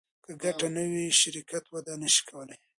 که ګټه نه وي شرکت وده نشي کولی.